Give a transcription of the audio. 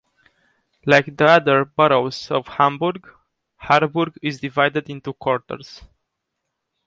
Like the other boroughs of Hamburg, Harburg is divided into quarters.